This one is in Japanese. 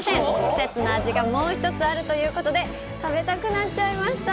季節の味がもう一つあるということで食べたくなっちゃいました。